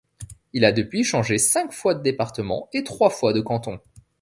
Il a depuis changé cinq fois de département et trois fois de canton.